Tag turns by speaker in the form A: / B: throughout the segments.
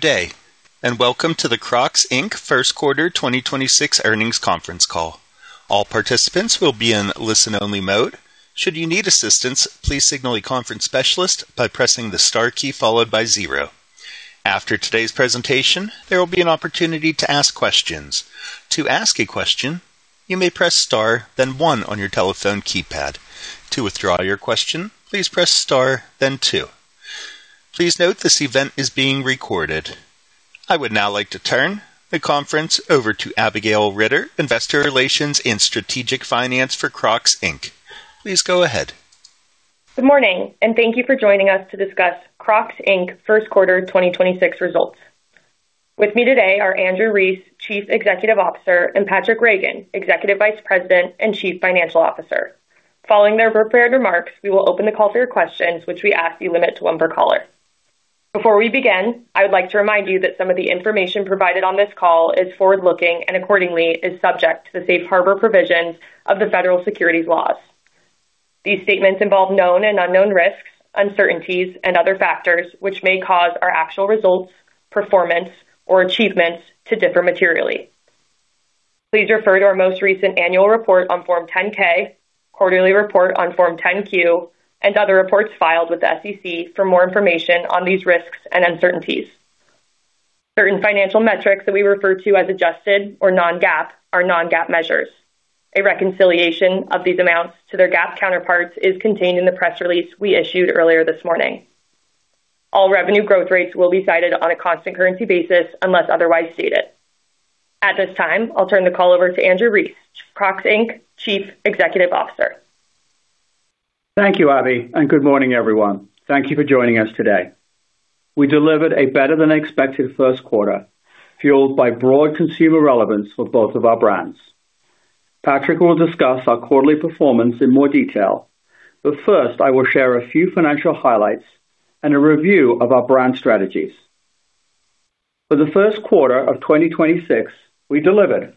A: Good day, welcome to the Crocs, Inc. first quarter 2026 earnings conference call. All participants will be in listen-only mode. After today's presentation, there will be an opportunity to ask questions. Please note this event is being recorded. I would now like to turn the conference over to Abigail Ritter, Investor Relations and Strategic Finance for Crocs, Inc. Please go ahead.
B: Good morning, and thank you for joining us to discuss Crocs, Inc.'s first quarter 2026 results. With me today are Andrew Rees, Chief Executive Officer, and Patraic Reagan, Executive Vice President and Chief Financial Officer. Following their prepared remarks, we will open the call for your questions, which we ask you limit to one per caller. Before we begin, I would like to remind you that some of the information provided on this call is forward-looking and accordingly is subject to the safe harbor provisions of the federal securities laws. These statements involve known and unknown risks, uncertainties, and other factors which may cause our actual results, performance, or achievements to differ materially. Please refer to our most recent annual report on Form 10-K, quarterly report on Form 10-Q, and other reports filed with the SEC for more information on these risks and uncertainties. Certain financial metrics that we refer to as adjusted or non-GAAP are non-GAAP measures. A reconciliation of these amounts to their GAAP counterparts is contained in the press release we issued earlier this morning. All revenue growth rates will be cited on a constant currency basis unless otherwise stated. At this time, I'll turn the call over to Andrew Rees, Crocs, Inc. Chief Executive Officer.
C: Thank you, Abby. Good morning, everyone. Thank you for joining us today. We delivered a better-than-expected first quarter, fueled by broad consumer relevance for both of our brands. Patraic will discuss our quarterly performance in more detail. First, I will share a few financial highlights and a review of our brand strategies. For the first quarter of 2026, we delivered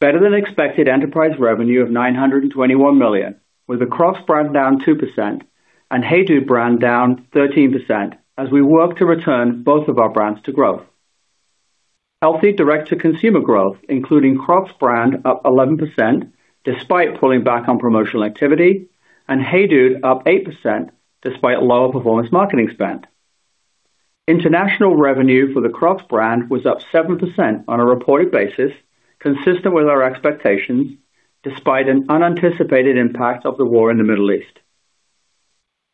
C: better-than-expected enterprise revenue of $921 million, with the Crocs brand down 2% and HEYDUDE brand down 13% as we work to return both of our brands to growth. This included healthy direct-to-consumer growth, with the Crocs brand up 11% despite pulling back on promotional activity and HEYDUDE up 8% despite lower performance marketing spend. International revenue for the Crocs brand was up 7% on a reported basis, consistent with our expectations, despite an unanticipated impact from the war in the Middle East.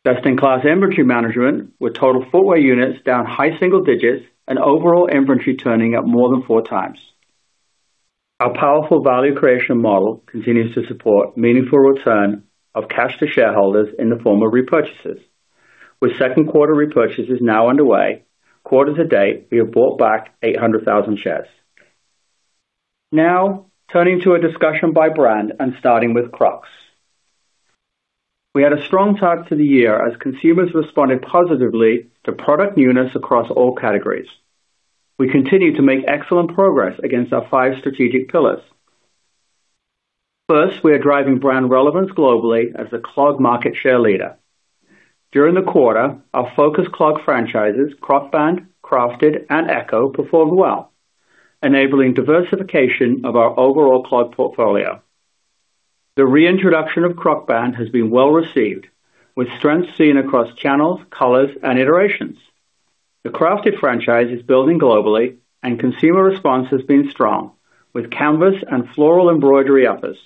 C: Best-in-class inventory management, with total footwear units down high single digits and overall inventory turning over more than 4 times. Our powerful value creation model continues to support meaningful return of cash to shareholders in the form of repurchases, with second-quarter repurchases now underway. Quarter to date, we have bought back 800,000 shares. Now, turning to a discussion by brand and starting with Crocs. We had a strong start to the year as consumers responded positively to product newness across all categories. We continued to make excellent progress against our 5 strategic pillars. First, we are driving brand relevance globally as a clog market share leader. During the quarter, our focus clog franchises, Crocband, Crafted, and Echo, performed well, enabling diversification of our overall clog portfolio. The reintroduction of Crocband has been well-received, with strengths seen across channels, colors, and iterations. The Crafted franchise is building globally; consumer response has been strong with canvas and floral embroidery uppers.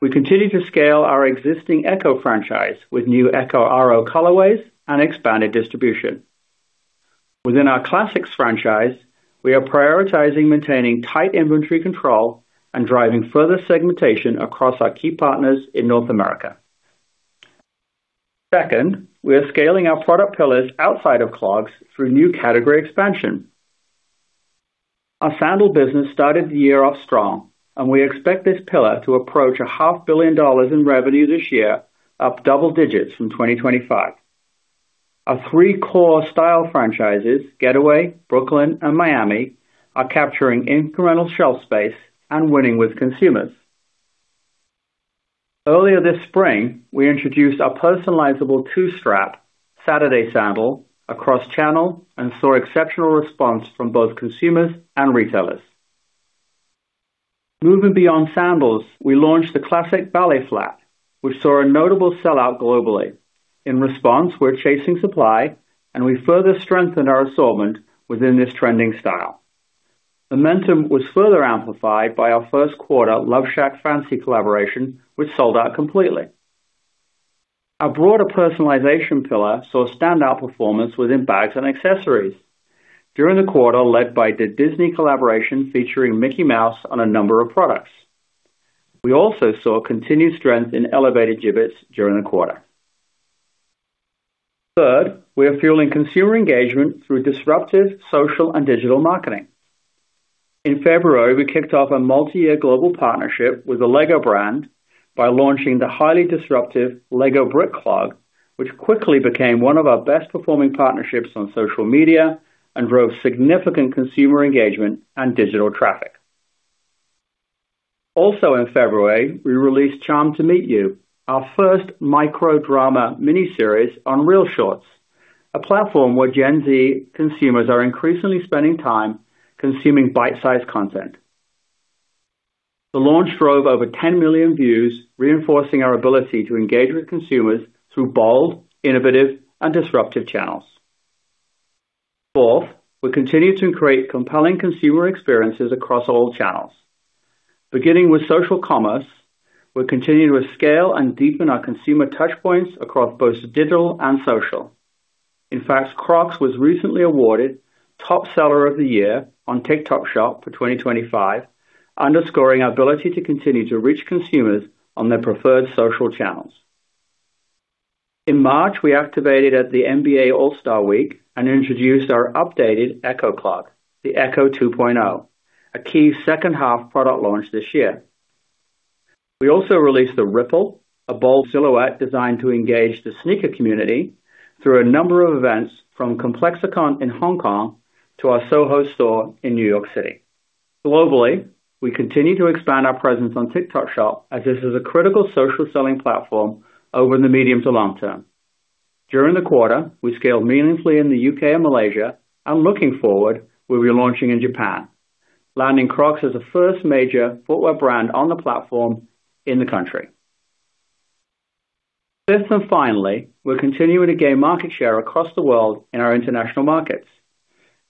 C: We continue to scale our existing Echo franchise with new Echo RO colorways and expanded distribution. Within our Classics franchise, we are prioritizing maintaining tight inventory control and driving further segmentation across our key partners in North America. Second, we are scaling our product pillars outside of clogs through new category expansion. Our sandal business started the year off strong; we expect this pillar to approach half a billion dollars in revenue this year, up double digits from 2025. Our three core style franchises—Getaway, Brooklyn, and Miami—are capturing incremental shelf space and winning with consumers. Earlier this spring, we introduced our personalizable two-strap Saturday sandal across all channels and saw an exceptional response from both consumers and retailers. Moving beyond sandals, we launched the classic ballet flat. We saw a notable sell-out globally. In response, we're chasing supply, and we further strengthened our assortment within this trending style. Momentum was further amplified by our first-quarter LoveShackFancy collaboration, which sold out completely. Our broader personalization pillar saw standout performance within bags and accessories during the quarter, led by the Disney collaboration featuring Mickey Mouse on a number of products. We also saw continued strength in elevated Jibbitz during the quarter. Third, we are fueling consumer engagement through disruptive social and digital marketing. In February, we kicked off a multi-year global partnership with the Lego brand by launching the highly disruptive Lego brick clog, which quickly became one of our best-performing partnerships on social media and drove significant consumer engagement and digital traffic. Also in February, we released "Charmed to Meet You," our first micro-drama miniseries on ReelShort, a platform where Gen Z consumers are increasingly spending time consuming bite-sized content. The launch drove over 10 million views, reinforcing our ability to engage with consumers through bold, innovative, and disruptive channels. Fourth, we continue to create compelling consumer experiences across all channels. Beginning with social commerce, we're continuing to scale and deepen our consumer touchpoints across both digital and social. In fact, Crocs was recently awarded "Top Seller of the Year" on TikTok Shop for '25, underscoring our ability to continue to reach consumers on their preferred social channels. In March, we activated at the NBA All-Star Week and introduced our updated Echo Clog, the Echo 2.0, a key second-half product launch this year. We also released the Ripple, a bold silhouette designed to engage the sneaker community through a number of events, from ComplexCon in Hong Kong to our Soho store in New York City. Globally, we continue to expand our presence on TikTok Shop, as this is a critical social selling platform over the medium to long term. During the quarter, we scaled meaningfully in the U.K. and Malaysia, and looking forward, we'll be launching in Japan, landing Crocs as the first major footwear brand on the platform in the country. Fifth and finally, we're continuing to gain market share across the world in our international markets.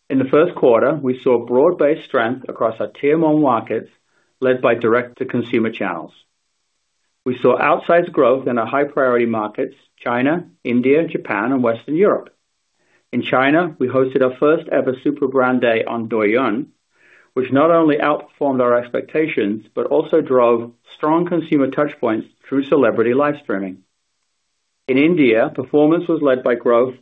C: In the first quarter, we saw broad-based strength across our tier 1 markets, led by direct-to-consumer channels. We saw outsized growth in our high-priority markets: China, India, Japan, and Western Europe. In China, we hosted our first-ever Super Brand Day on Douyin, which not only outperformed our expectations but also drove strong consumer touchpoints through celebrity live streaming. In India, performance was led by growth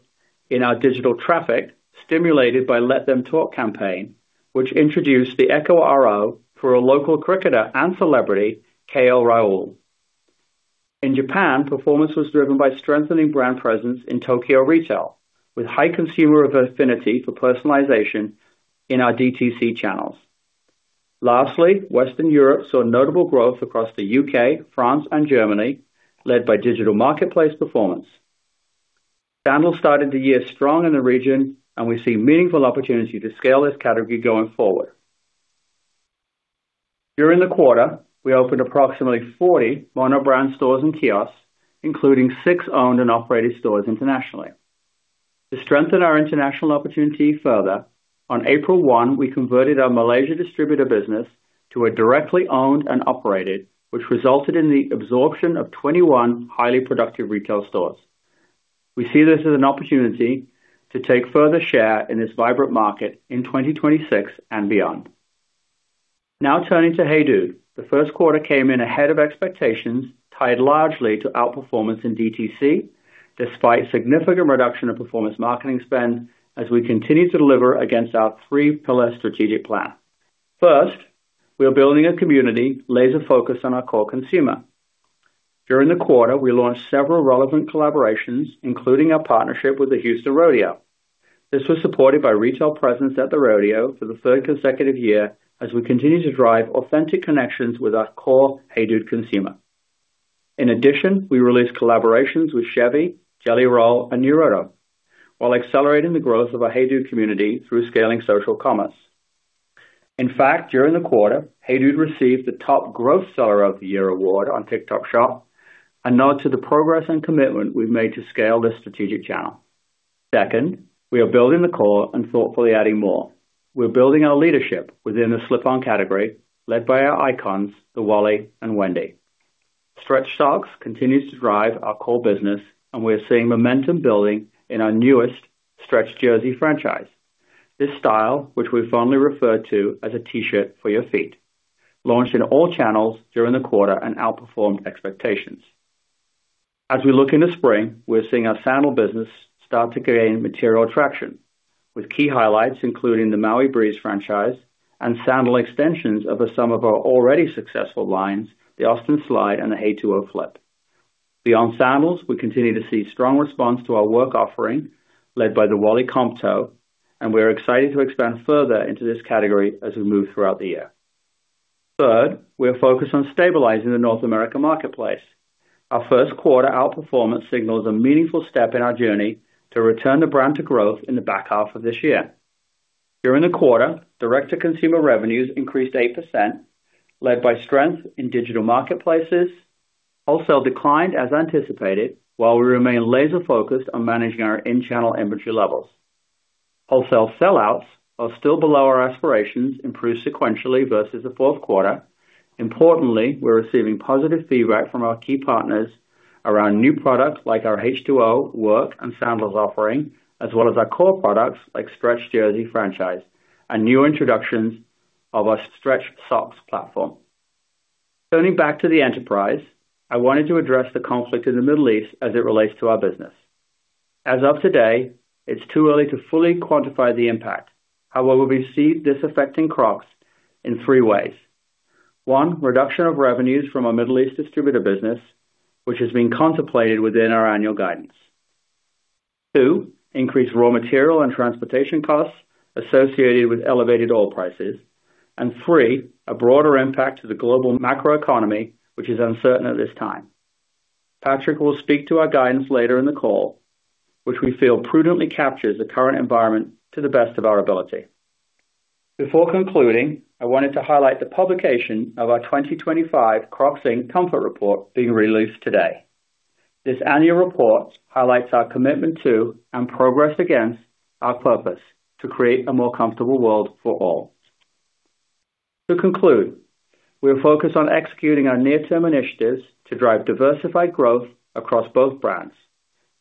C: in our digital traffic, stimulated by the "Let Them Talk" campaign, which introduced the Echo RO for local cricketer and celebrity KL Rahul. In Japan, performance was driven by strengthening brand presence in Tokyo retail, with high consumer affinity for personalization in our DTC channels. Lastly, Western Europe saw notable growth across the U.K., France, and Germany, led by digital marketplace performance. Sandals started the year strong in the region, and we see meaningful opportunity to scale this category going forward. During the quarter, we opened approximately 40 monobrand stores and kiosks, including 6 owned and operated stores internationally. To strengthen our international opportunities further, on April 1, we converted our Malaysia distributor business to a directly owned and operated one, which resulted in the absorption of 21 highly productive retail stores. We see this as an opportunity to take further share in this vibrant market in 2026 and beyond. Now, turning to Hey Dude. The first quarter came in ahead of expectations, tied largely to outperformance in DTC, despite a significant reduction in performance marketing spend as we continue to deliver against our three-pillar strategic plan. First, we are building a community laser-focused on our core consumer. During the quarter, we launched several relevant collaborations, including our partnership with the Houston Rodeo. This was supported by a retail presence at the rodeo for the third consecutive year as we continue to drive authentic connections with our core HEYDUDE consumer. We released collaborations with Chevy, Jelly Roll, and Naruto while accelerating the growth of our HEYDUDE community through scaling social commerce. During the quarter, HEYDUDE received the top gross seller of the year award on TikTok Shop, a nod to the progress and commitment we've made to scale this strategic channel. We are building the core and thoughtfully adding more. We're building our leadership within the slip-on category, led by our icons, the Wally and Wendy. Stretch Sox continues to drive our core business, and we are seeing momentum building in our newest Stretch Jersey franchise. This style, which we've only referred to as a T-shirt for your feet, launched in all channels during the quarter and outperformed expectations. As we look into spring, we're seeing our sandal business start to gain material traction, with key highlights including the Maui Breeze franchise and sandal extensions of some of our already successful lines: the Austin Slide and the H2O Flip. Beyond sandals, we continue to see a strong response to our work offering, led by the Wally Compto, and we are excited to expand further into this category as we move throughout the year. Third, we are focused on stabilizing the North America marketplace. Our first-quarter outperformance signals a meaningful step in our journey to return the brand to growth in the back half of this year. During the quarter, direct-to-consumer revenues increased 8%, led by strength in digital marketplaces, which also declined as anticipated, while we remain laser-focused on managing our in-channel inventory levels. Wholesale sellouts are still below our aspirations but improved sequentially versus the fourth quarter. Importantly, we're receiving positive feedback from our key partners regarding new products like our H2O work and sandals offering, as well as our core products like the Stretch Jersey franchise and new introductions of our Stretch Socks platform. Turning back to the enterprise, I wanted to address the conflict in the Middle East as it relates to our business. As of today, it's too early to fully quantify the impact. We see this affecting Crocs in three ways: 1. A reduction of revenues from our Middle East distributor business, which is being contemplated within our annual guidance. 2. Increased raw material and transportation costs associated with elevated oil prices. 3. A broader impact on the global macroeconomy, which is uncertain at this time. Patraic will speak to our guidance later in the call, which we feel prudently captures the current environment to the best of our ability. Before concluding, I wanted to highlight the publication of our 2025 Crocs, Inc. Comfort Report, being released today. This annual report highlights our commitment to and progress against our purpose to create a more comfortable world for all. To conclude, we are focused on executing our near-term initiatives to drive diversified growth across both brands,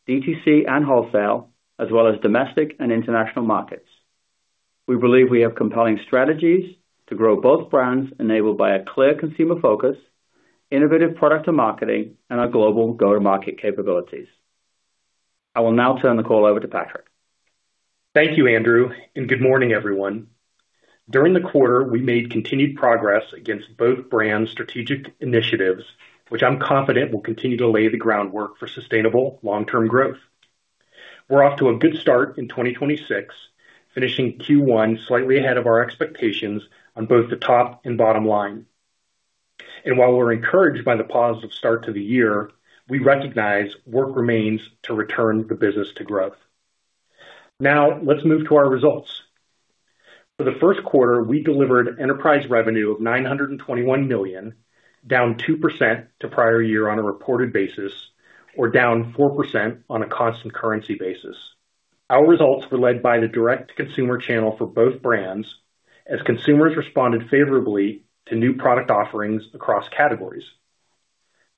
C: DTC and wholesale, as well as domestic and international markets. We believe we have compelling strategies to grow both brands, enabled by a clear consumer focus, innovative product and marketing, and our global go-to-market capabilities. I will now turn the call over to Patraic.
D: Thank you, Andrew, and good morning, everyone. During the quarter, we made continued progress against both brands' strategic initiatives, which I'm confident will continue to lay the groundwork for sustainable long-term growth. We're off to a good start in 2026, finishing Q1 slightly ahead of our expectations on both the top and bottom line. While we're encouraged by the positive start to the year, we recognize work remains to return the business to growth. Now, let's move to our results. For the first quarter, we delivered enterprise revenue of $921 million, down 2% from the prior year on a reported basis or down 4% on a constant currency basis. Our results were led by the direct-to-consumer channel for both brands as consumers responded favorably to new product offerings across categories.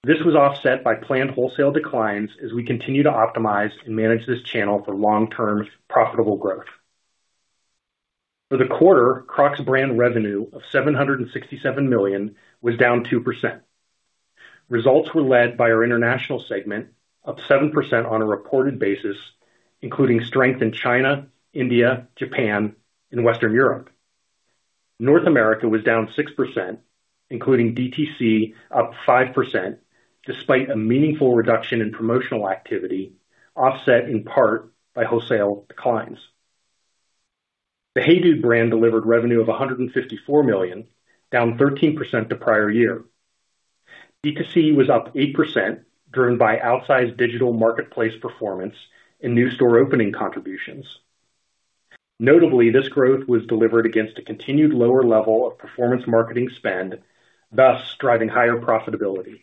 D: This was offset by planned wholesale declines as we continue to optimize and manage this channel for long-term profitable growth. For the quarter, Crocs brand revenue of $767 million was down 2%. Results were led by our international segment, up 7% on a reported basis, including strength in China, India, Japan, and Western Europe. North America was down 6%, including DTC up 5%, despite a meaningful reduction in promotional activity, offset in part by wholesale declines. The HEYDUDE brand delivered revenue of $154 million, down 13% from the prior year. DTC was up 8%, driven by outsized digital marketplace performance and new store opening contributions. Notably, this growth was delivered against a continued lower level of performance marketing spend, thus driving higher profitability.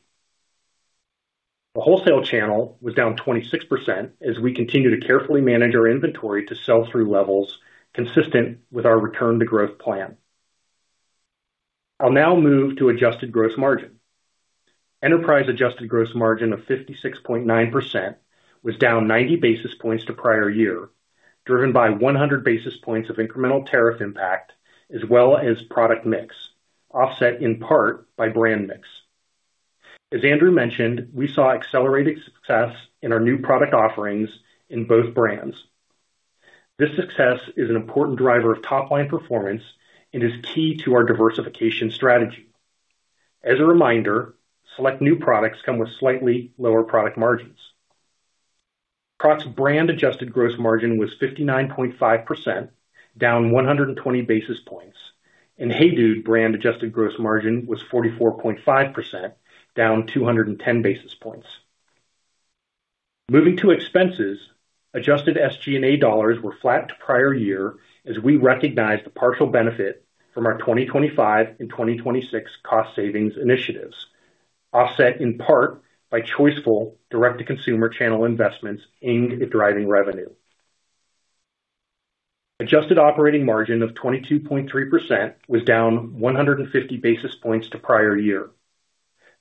D: The wholesale channel was down 26% as we continue to carefully manage our inventory to sell-through levels consistent with our return-to-growth plan. I'll now move to adjusted gross margin. Enterprise-adjusted gross margin of 56.9% was down 90 basis points from the prior year, driven by 100 basis points of incremental tariff impact as well as product mix, offset in part by brand mix. As Andrew mentioned, we saw accelerated success in our new product offerings in both brands. This success is an important driver of top-line performance and is key to our diversification strategy. As a reminder, select new products come with slightly lower product margins. Crocs brand adjusted gross margin was 59.5%, down 120 basis points, and HeyDude brand adjusted gross margin was 44.5%, down 210 basis points. Moving to expenses, adjusted SG&A dollars were flat compared to the prior year as we recognized the partial benefit from our 2025 and 2026 cost savings initiatives, offset in part by thoughtful direct-to-consumer channel investments aimed at driving revenue. An adjusted operating margin of 22.3% was down 150 basis points from the prior year.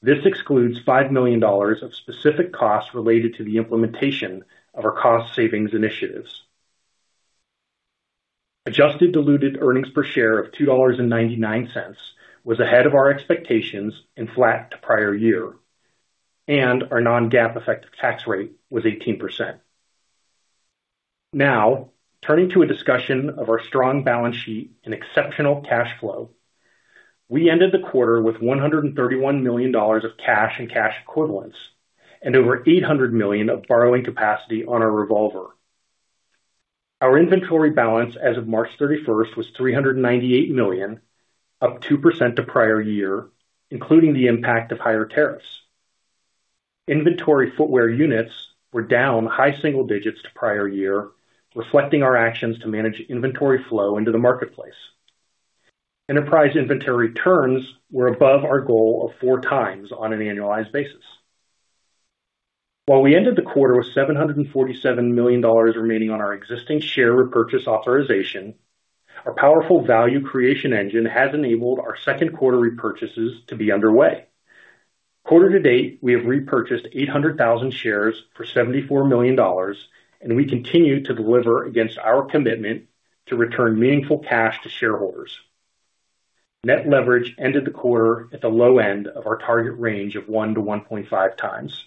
D: This excludes $5 million of specific costs related to the implementation of our cost savings initiatives. Adjusted diluted earnings per share of $2.99 was ahead of our expectations and flat compared to the prior year. Our non-GAAP effective tax rate was 18%. Turning to a discussion of our strong balance sheet and exceptional cash flow, we ended the quarter with $131 million of cash and cash equivalents and over $800 million of borrowing capacity on our revolver. Our inventory balance as of March 31st was $398 million, up 2% from the prior year, including the impact of higher tariffs. Inventory footwear units were down high single digits from the prior year, reflecting our actions to manage inventory flow into the marketplace. Enterprise inventory turns were above our goal of 4 times on an annualized basis. While we ended the quarter with $747 million remaining on our existing share repurchase authorization, our powerful value creation engine has enabled our second-quarter repurchases to be underway. Quarter-to-date, we have repurchased 800,000 shares for $74 million, and we continue to deliver against our commitment to return meaningful cash to shareholders. Net leverage ended the quarter at the low end of our target range of 1-1.5 times.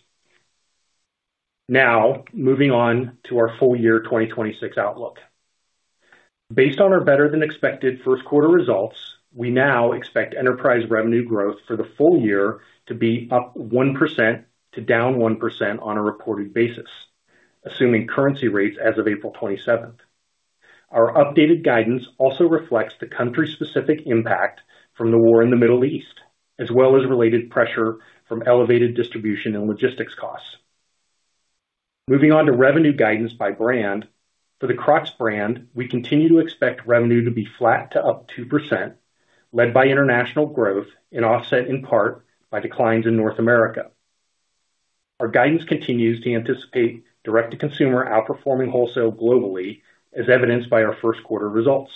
D: Moving on to our full-year 2026 outlook. Based on our better-than-expected first-quarter results, we now expect enterprise revenue growth for the full year to be up 1% to down 1% on a reported basis, assuming currency rates as of April 27th. Our updated guidance also reflects the country-specific impact from the war in the Middle East, as well as related pressure from elevated distribution and logistics costs. Moving on to revenue guidance by brand. For the Crocs brand, we continue to expect revenue to be flat to up 2%, led by international growth and offset in part by declines in North America. Our guidance continues to anticipate direct-to-consumer outperforming wholesale globally, as evidenced by our first-quarter results.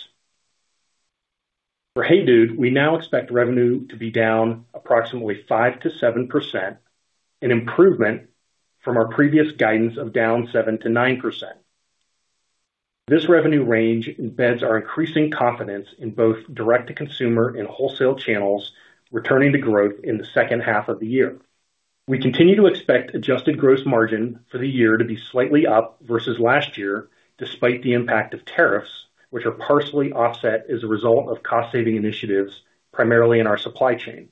D: For Hey Dude, we now expect revenue to be down approximately 5%-7%, an improvement from our previous guidance of down 7%-9%. This revenue range embeds our increasing confidence in both direct-to-consumer and wholesale channels returning to growth in the second half of the year. We continue to expect adjusted gross margin for the year to be slightly up versus last year, despite the impact of tariffs, which are partially offset as a result of cost-saving initiatives, primarily in our supply chain.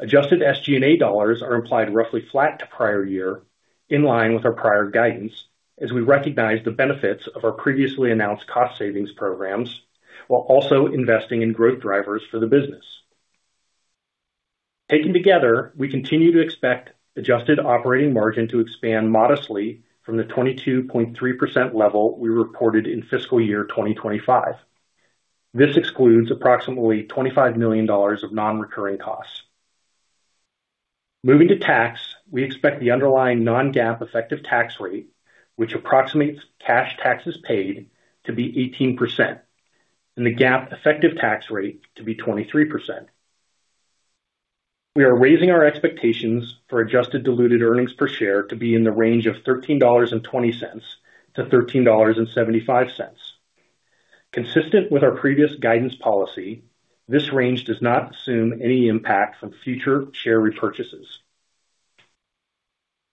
D: Adjusted SG&A dollars are implied roughly flat to the prior year, in line with our prior guidance as we recognize the benefits of our previously announced cost-savings programs while also investing in growth drivers for the business. Taken together, we continue to expect the adjusted operating margin to expand modestly from the 22.3% level we reported in fiscal year 2025. This excludes approximately $25 million of non-recurring costs. Moving to tax, we expect the underlying non-GAAP effective tax rate, which approximates cash taxes paid, to be 18% and the GAAP effective tax rate to be 23%. We are raising our expectations for adjusted diluted earnings per share to be in the range of $13.20 to $13.75. Consistent with our previous guidance policy, this range does not assume any impact from future share repurchases.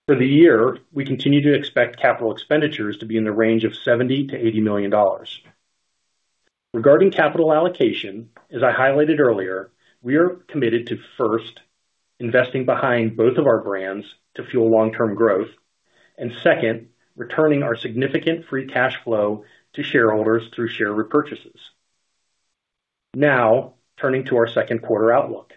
D: For the year, we continue to expect capital expenditures to be in the range of $70 million-$80 million. Regarding capital allocation, as I highlighted earlier, we are committed to, first, investing behind both of our brands to fuel long-term growth and second, returning our significant free cash flow to shareholders through share repurchases. Now, turning to our second-quarter outlook.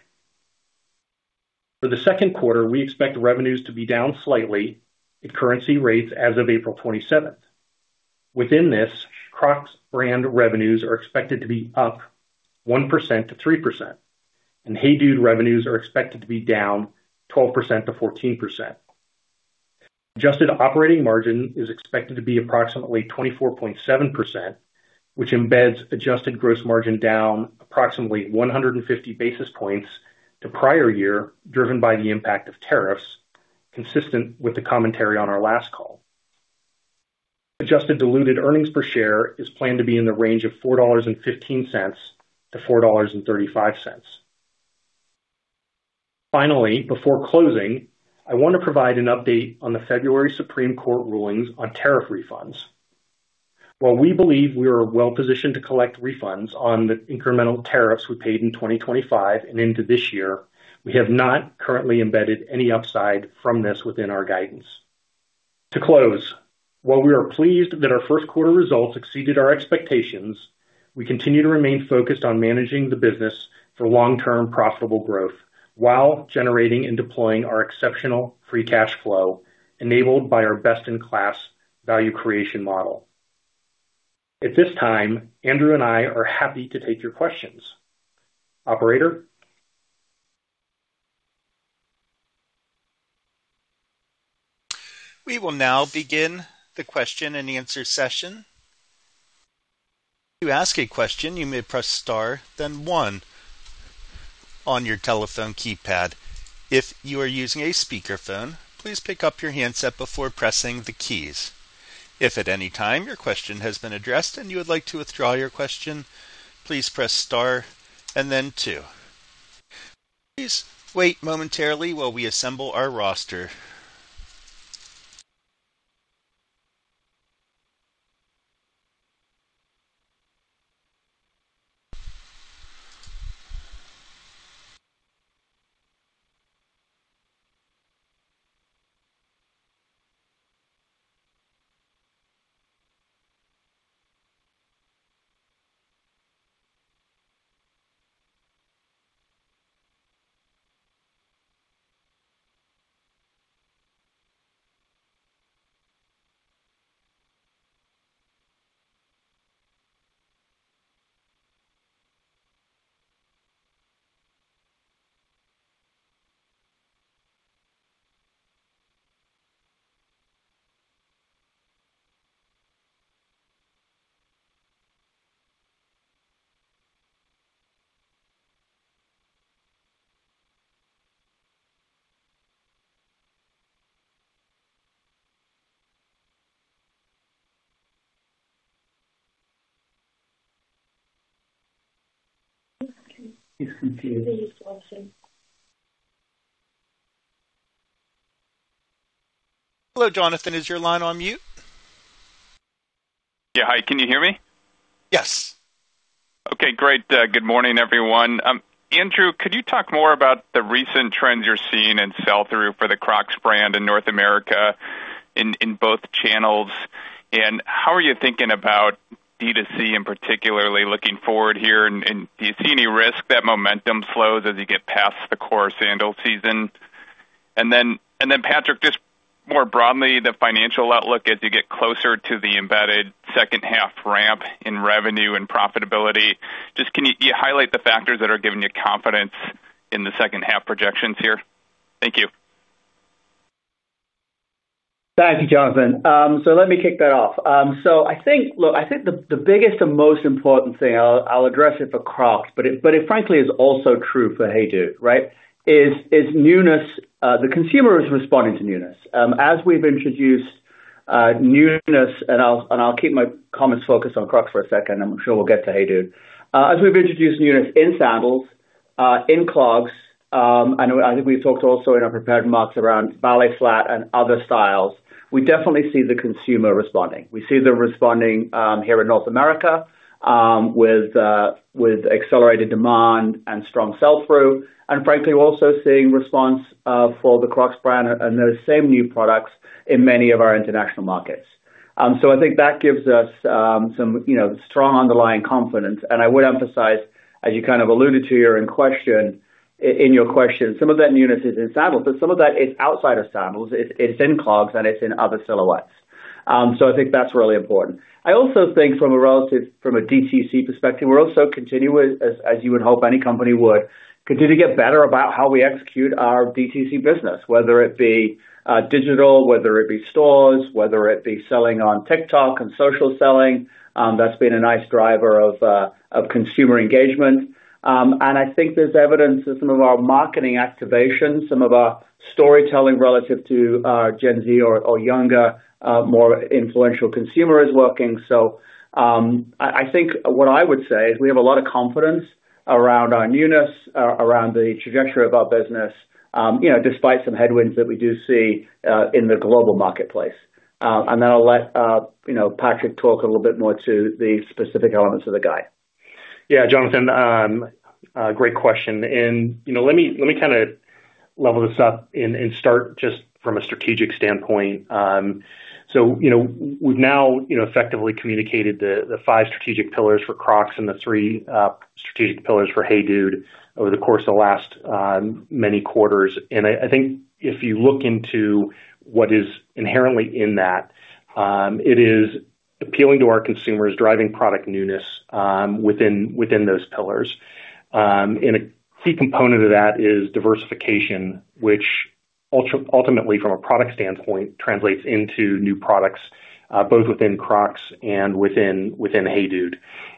D: For the second quarter, we expect revenues to be down slightly at currency rates as of April 27th. Within this, Crocs brand revenues are expected to be up 1%-3%, and HEYDUDE revenues are expected to be down 12%-14%. Adjusted operating margin is expected to be approximately 24.7%, which embeds adjusted gross margin down approximately 150 basis points to prior year, driven by the impact of tariffs consistent with the commentary on our last call. Adjusted diluted earnings per share is planned to be in the range of $4.15-$4.35. Before closing, I want to provide an update on the February Supreme Court rulings on tariff refunds. While we believe we are well-positioned to collect refunds on the incremental tariffs we paid in 2025 and into this year, we have not currently embedded any upside from this within our guidance. To close, while we are pleased that our first-quarter results exceeded our expectations, we continue to remain focused on managing the business for long-term profitable growth while generating and deploying our exceptional free cash flow enabled by our best-in-class value creation model. At this time, Andrew and I are happy to take your questions. Operator?
A: We will now begin the question and answer session. Hello, Jonathan. Is your line on mute?
E: Yeah. Hi, can you hear me?
A: Yes.
E: Okay, great. Good morning, everyone. Andrew, could you talk more about the recent trends you're seeing in sell-through for the Crocs brand in North America in both channels? How are you thinking about DTC, particularly looking forward here? Do you see any risk that momentum slows as you get past the core sandal season? Patraic, just more broadly, the financial outlook as you get closer to the embedded second-half ramp in revenue and profitability. Could you highlight the factors that are giving you confidence in the second-half projections here? Thank you.
C: Thank you, Jonathan. Let me kick that off. I think the biggest and most important thing I'll address is for Crocs, but it frankly is also true for HeyDude, right? It's newness. The consumer is responding to newness. As we've introduced newness, I'll keep my comments focused on Crocs for a second. I'm sure we'll get to Hey Dude. As we've introduced newness in sandals, in clogs, and I think we also talked in our prepared remarks about ballet flats and other styles. We definitely see the consumer responding. We see they're responding here in North America with accelerated demand and strong sell-through. Frankly, we're also seeing a response for the Crocs brand and those same new products in many of our international markets. I think that gives us some strong underlying confidence. I would emphasize, as you kind of alluded to in your question, some of that newness is in sandals, but some of that is outside of sandals. It's in clogs, and it's in other silhouettes. I think that's really important. I also think from a DTC perspective, we're continuously, as you would hope any company would, continuing to get better at how we execute our DTC business, whether it be digital, whether it be stores, or whether it be selling on TikTok and social selling. That's been a nice driver of consumer engagement. I think there's evidence that some of our marketing activation, some of our storytelling relative to Gen Z or younger, more influential consumers, is working. I think what I would say is we have a lot of confidence in our newness, in the trajectory of our business, you know, despite some headwinds that we do see in the global marketplace. Then I'll let Patraic talk a little bit more about the specific elements of the guide.
D: Yeah, Jonathan, great question. You know, let me kind of level this up and start just from a strategic standpoint. You know, we've now effectively communicated the five strategic pillars for Crocs and the three strategic pillars for HEYDUDE over the course of the last many quarters. I think if you look into what is inherently in that, it is appealing to our consumers, driving product newness within those pillars. A key component of that is diversification, which ultimately, from a product standpoint, translates into new products, both within Crocs and within HEYDUDE.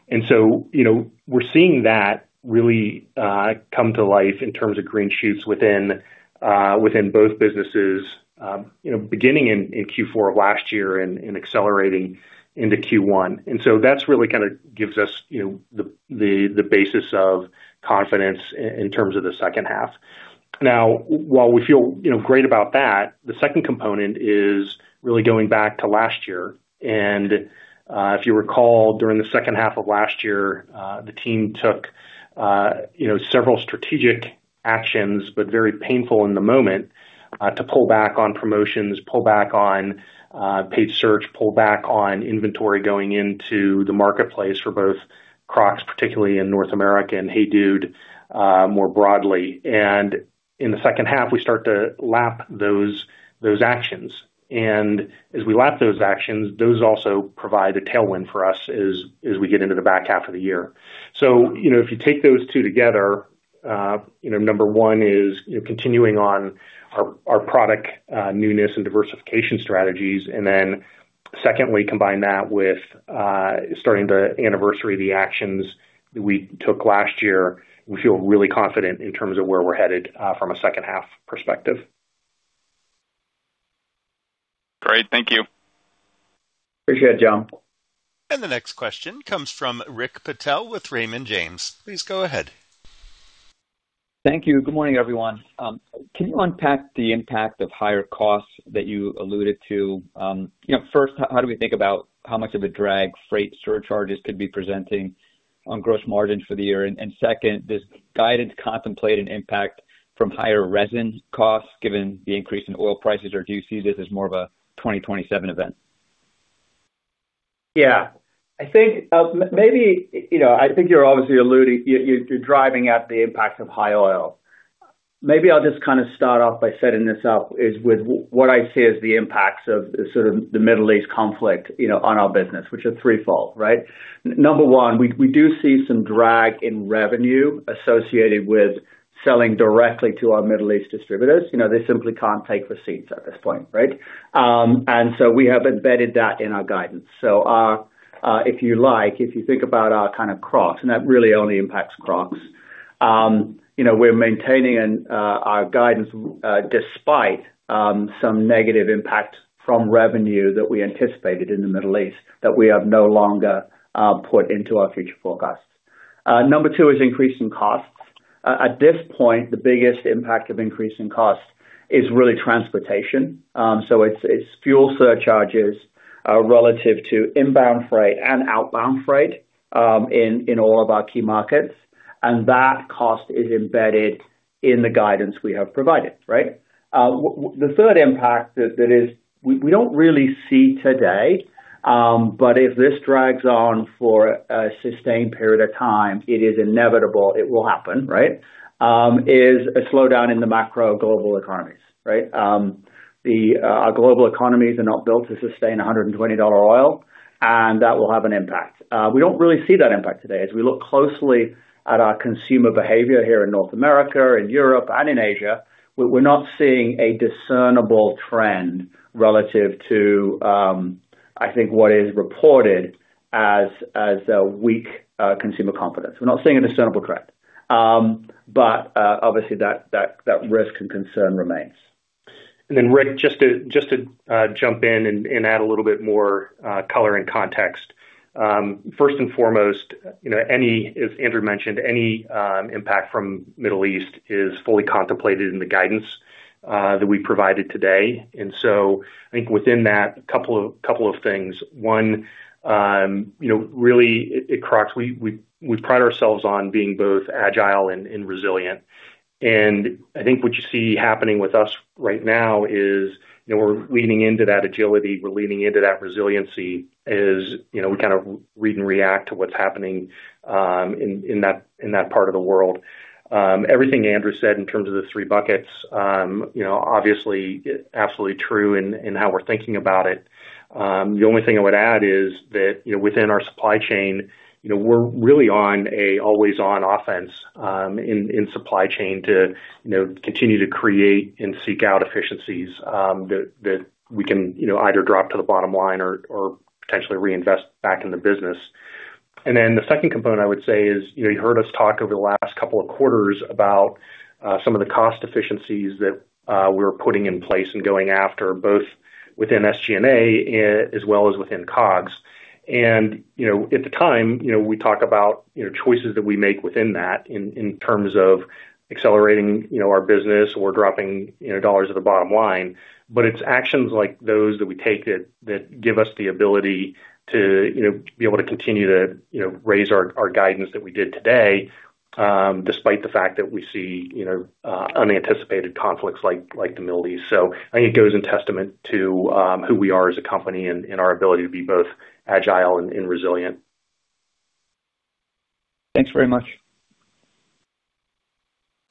D: You know, we're seeing that really come to life in terms of green shoots within both businesses, you know, beginning in Q4 of last year and accelerating into Q1. That really kind of gives us, you know, the basis of confidence in terms of the second half. While we feel, you know, great about that, the second component is really going back to last year. If you recall, during the second half of last year, the team took, you know, several strategic actions, but very painful in the moment, to pull back on promotions, pull back on paid search, pull back on inventory going into the marketplace for both Crocs, particularly in North America, and Hey Dude, more broadly. In the second half, we start to lap those actions. As we lap those actions, those also provide a tailwind for us as we get into the back half of the year. If you take those two together, number one is continuing on our product newness and diversification strategies. Secondly, combine that with starting to anniversary the actions we took last year. We feel really confident in terms of where we're headed from a second-half perspective.
E: Great. Thank you.
C: Appreciate it, John.
A: The next question comes from Rick Patel with Raymond James. Please go ahead.
F: Thank you. Good morning, everyone. Can you unpack the impact of higher costs that you alluded to? First, how do we think about how much of a drag freight surcharges could be presenting on gross margins for the year? Second, does guidance contemplate an impact from higher resin costs given the increase in oil prices, or do you see this as more of a 2027 event?
C: Yeah. I think, maybe, you know, I think you're obviously alluding, you're driving at the impact of high oil. Maybe I'll just kind of start off by setting this up with what I see as the impacts of the Middle East conflict, you know, on our business, which are threefold, right? Number one, we do see some drag in revenue associated with selling directly to our Middle East distributors. You know, they simply can't take receipts at this point, right? We have embedded that in our guidance. If you like, if you think about our kind of Crocs, and that really only impacts Crocs, you know, we're maintaining our guidance despite some negative impact from revenue that we anticipated in the Middle East that we have no longer put into our future forecast. Number 2 is an increase in costs. At this point, the biggest impact of increased cost is really transportation. So it's fuel surcharges, relative to inbound and outbound freight, in all of our key markets. That cost is embedded in the guidance we have provided, right? The third impact that we don't really see today, but if this drags on for a sustained period of time, it is inevitable it will happen, right, is a slowdown in the macro global economies, right? Our global economies are not built to sustain $120 oil, and that will have an impact. We don't really see that impact today. As we look closely at consumer behavior here in North America, in Europe, and in Asia, we're not seeing a discernible trend relative to what is reported as weak consumer confidence. We're not seeing a discernible trend. Obviously, that risk and concern remain.
D: Rick, just to jump in and add a little more color and context. First and foremost, as Andrew mentioned, any impact from the Middle East is fully contemplated in the guidance that we provided today. I think within that, a couple of things. One, really at Crocs, we pride ourselves on being both agile and resilient. I think what you see happening with us right now is we're leaning into that agility; we're leaning into that resiliency as we kind of read and react to what's happening in that part of the world. Everything Andrew said in terms of the three buckets is obviously absolutely true in how we're thinking about it. The only thing I would add is that, within our supply chain, we're really always on offense to continue to create and seek out efficiencies that we can either drop to the bottom line or potentially reinvest back in the business. The second component I would say is, you heard us talk over the last couple of quarters about some of the cost efficiencies that we're putting in place and going after, both within SG&A as well as within COGS. At the time, we talk about choices that we make within that in terms of accelerating our business or dropping dollars at the bottom line. It's actions like those that we take that give us the ability to continue to raise our guidance, as we did today, despite the fact that we see unanticipated conflicts like the Middle East. I think it testifies to who we are as a company and our ability to be both agile and resilient.
F: Thanks very much.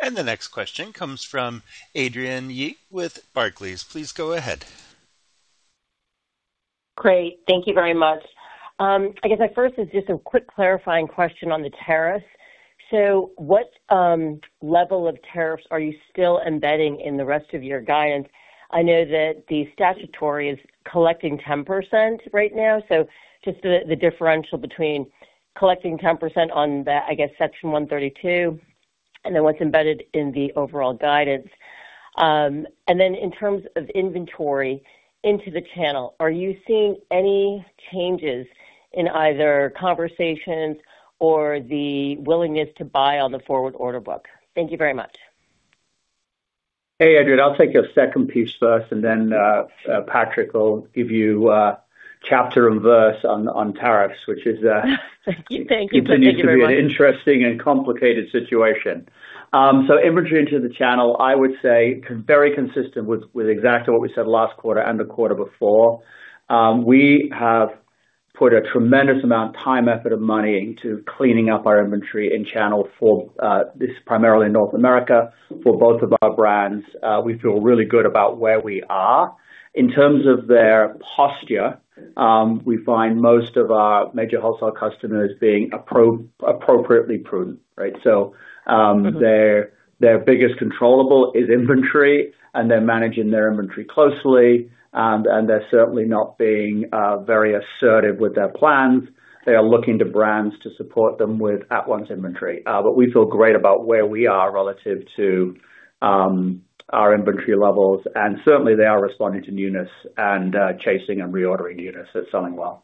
A: The next question comes from Adrienne Yih with Barclays. Please go ahead.
G: Great. Thank you very much. I guess my first is just a quick clarifying question on the tariffs. What level of tariffs are you still embedding in the rest of your guidance? I know that the statutory is collecting 10% right now. Just the differential between collecting 10% on the, I guess, Section 232, and then what's embedded in the overall guidance. And then in terms of inventory into the channel, are you seeing any changes in either conversations or the willingness to buy on the forward order book? Thank you very much.
C: Hey, Adrienne. I'll take your second piece first, and then Patraic will give you chapter and verse on tariffs, which is.
G: Thank you. Thank you so much very much.
C: It continues to be an interesting and complicated situation. Inventory into the channel, I would say, is very consistent with exactly what we said last quarter and the quarter before. We have put a tremendous amount of time, effort, and money into cleaning up our inventory and channel, primarily in North America for both of our brands. We feel really good about where we are. In terms of their posture, we find most of our major wholesale customers being appropriately prudent, right? Their biggest controllable is inventory, and they're managing their inventory closely. They're certainly not being very assertive with their plans. They are looking to brands to support them with at-once inventory. We feel great about where we are relative to our inventory levels, and certainly, they are responding to newness and chasing and reordering units that are selling well.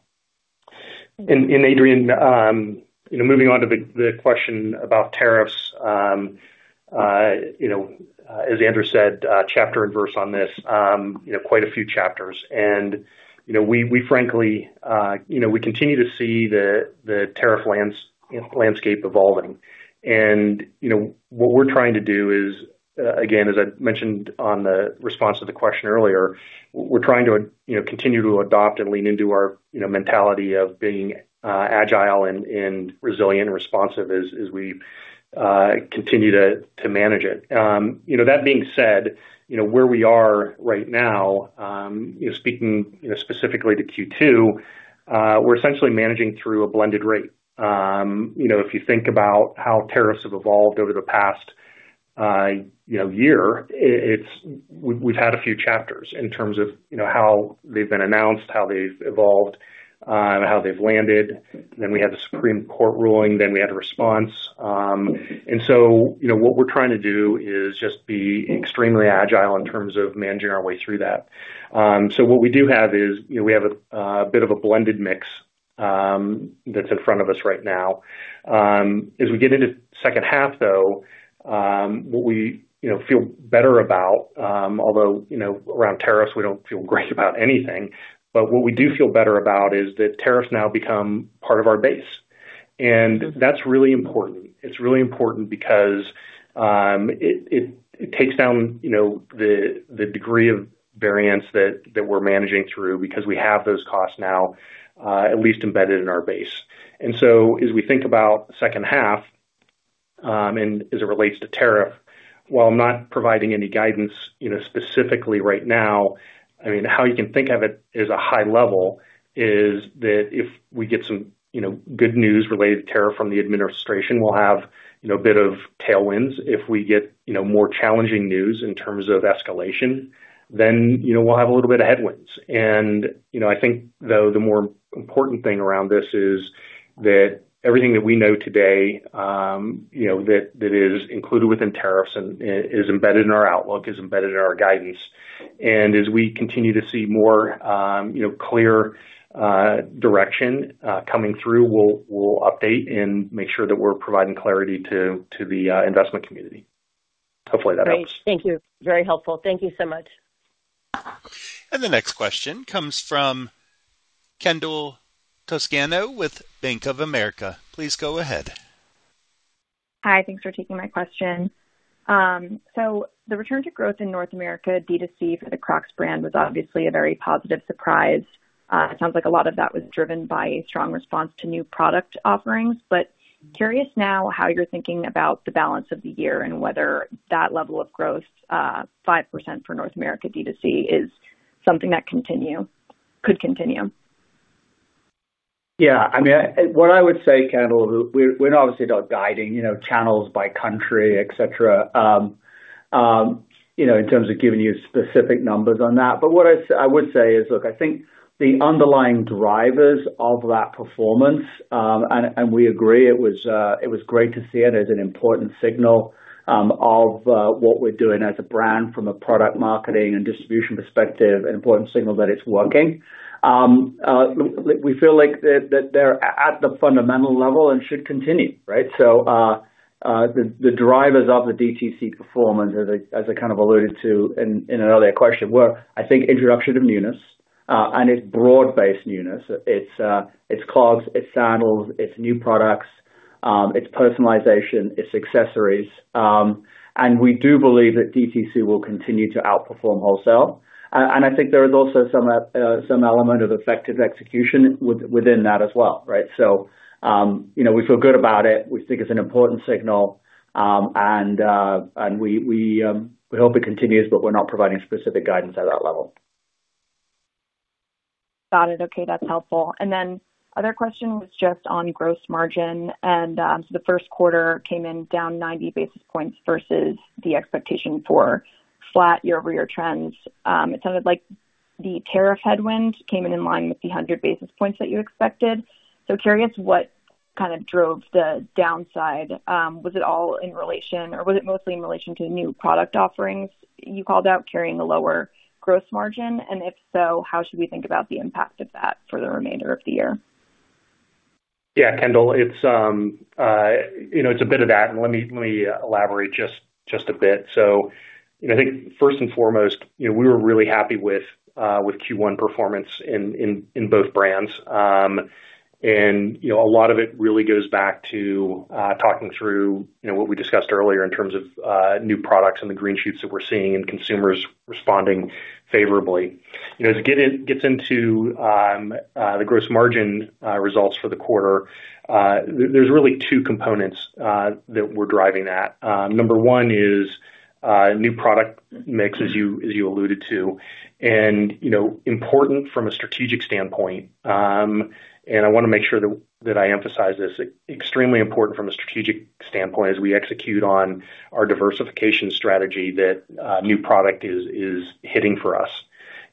D: Adrienne Yih, moving on to the question about tariffs. As Andrew Rees said, chapter and verse on this, quite a few chapters. We frankly continue to see the tariff landscape evolving. What we're trying to do is again, as I mentioned in response to the question earlier, we're trying to continue to adopt and lean into our mentality of being agile, resilient, and responsive as we continue to manage it. That being said, where we are right now, speaking specifically to Q2, we're essentially managing through a blended rate. You know, if you think about how tariffs have evolved over the past year, we've had a few chapters in terms of how they've been announced, how they've evolved, and how they've landed. We had the Supreme Court ruling. We had a response. What we're trying to do is just be extremely agile in terms of managing our way through that. What we do have is a bit of a blended mix that's in front of us right now. As we get into the second half, though, what we feel better about, although, regarding tariffs, we don't feel great about anything, but what we do feel better about is that tariffs now become part of our base. That's really important. It's really important because it reduces the degree of variance we're managing, as those costs are now embedded in our base. As we think about the second half, and as it relates to tariffs, while I'm not providing any specific guidance right now, you can think of it at a high level: if we receive good news regarding tariffs from the administration, we'll have a bit of a tailwind. If we receive more challenging news in terms of escalation, then we'll have a little bit of a headwind. You know, I think, though, the more important thing around this is that everything that we know today, that is included within tariffs and is embedded in our outlook, is embedded in our guidance. As we continue to see more clear direction coming through, we'll update and make sure that we're providing clarity to the investment community. Hopefully, that helps.
G: Great. Thank you. Very helpful. Thank you so much.
A: The next question comes from Kendall Toscano with Bank of America. Please go ahead.
H: Hi, thanks for taking my question. The return to growth in North America, D2C for the Crocs brand, was obviously a very positive surprise. It sounds like a lot of that was driven by a strong response to new product offerings. I'm curious now how you're thinking about the balance of the year and whether that level of growth, 5% for North America D2C, could continue.
C: Yeah. I mean, what I would say, Kendall, we're obviously not guiding channels by country, et cetera, in terms of giving you specific numbers on that. What I would say is, look, I think the underlying drivers of that performance, and we agree it was great to see it as an important signal of what we're doing as a brand from a product marketing and distribution perspective, an important signal that it's working. We feel like they're at the fundamental level and should continue, right? The drivers of the DTC performance, as I kind of alluded to in an earlier question, were, I think, the introduction of newness, and it's broad-based newness. It's clogs, it's sandals, it's new products, it's personalization, it's accessories. We do believe that DTC will continue to outperform wholesale. I think there is also some element of effective execution within that as well, right? You know, we feel good about it. We think it's an important signal. We hope it continues, but we're not providing specific guidance at that level.
H: Got it. Okay, that's helpful. Another question was just on gross margin. The first quarter came in down 90 basis points versus the expectation for flat year-over-year trends. It sounded like the tariff headwind came in line with the 100 basis points that you expected. I'm curious what drove the downside. Was it all in relation, or was it mostly in relation to new product offerings you called out carrying a lower gross margin? If so, how should we think about the impact of that for the remainder of the year?
D: Yeah, Kendall, it's, you know, it's a bit of that, and let me elaborate just a bit. I think first and foremost, you know, we were really happy with Q1 performance in both brands. And, you know, a lot of it really goes back to talking through, you know, what we discussed earlier in terms of new products and the green shoots that we're seeing and consumers responding favorably. You know, as it gets into the gross margin results for the quarter, there are really two components that we're driving at. Number one is new product mix, as you alluded to. You know, it's important from a strategic standpoint, and I want to make sure that I emphasize this: it's extremely important from a strategic standpoint as we execute on our diversification strategy that new product is hitting for us.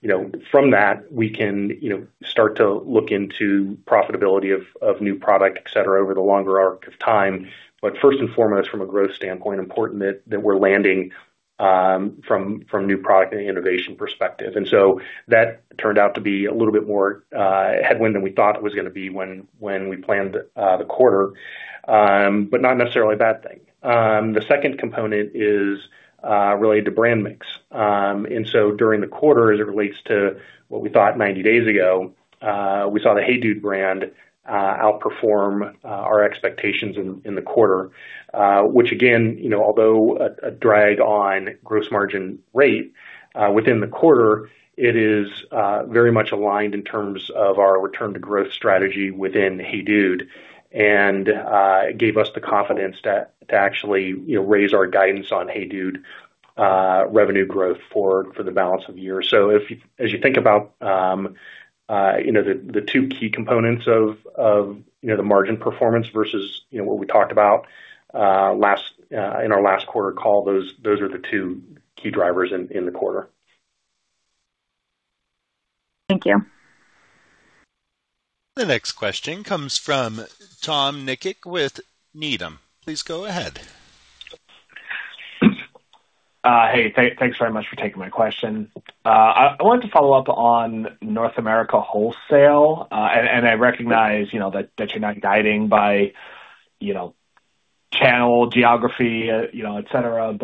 D: You know, from that, we can start to look into the profitability of new products, etc., over the longer arc of time. First and foremost, from a growth standpoint, it's important that we're landing new products and an innovation perspective. That turned out to be a little bit more of a headwind than we thought it was going to be when we planned the quarter. Not necessarily a bad thing. The second component is related to brand mix. During the quarter, as it relates to what we thought 90 days ago, we saw the Hey Dude brand outperform our expectations. Again, although a drag on the gross margin rate within the quarter, it is very much aligned with our return to growth strategy within Hey Dude, and it gave us the confidence to actually raise our guidance on Hey Dude revenue growth for the balance of the year. As you think about the two key components of the margin performance versus what we talked about in our last quarter call, those are the two key drivers in the quarter.
H: Thank you.
A: The next question comes from Tom Nikic with Needham. Please go ahead.
I: Hey, thanks very much for taking my question. I wanted to follow up on North America wholesale. I recognize that you're not guiding by channel geography, etc.